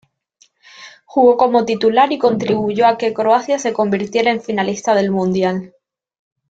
Jugó como titular y contribuyó a que Croacia se convirtiera en finalista del Mundial.